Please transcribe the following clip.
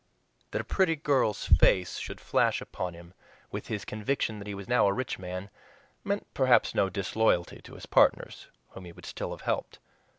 That a pretty girl's face should flash upon him with his conviction that he was now a rich man meant perhaps no disloyalty to his partners, whom he would still have helped.